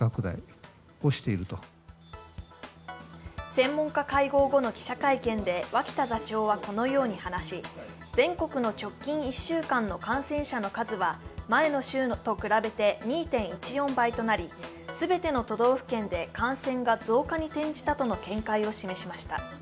専門家会合後の記者会見で脇田座長はこのように話し、全国の直近１週間の感染者の数は前の週と比べて２．１４倍となり全ての都道府県で感染が増加に転じたとの見解を示しました。